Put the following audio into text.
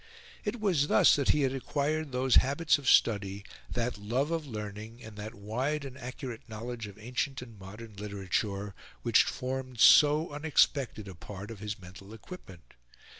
It was thus that he had acquired those habits of study, that love of learning, and that wide and accurate knowledge of ancient and modern literature, which formed so unexpected a part of his mental equipment.